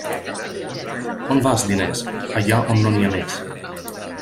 On vas, diners? Allà on n'hi ha més.